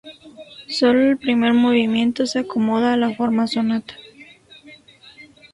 Sólo el primer movimiento se acomoda a la forma sonata.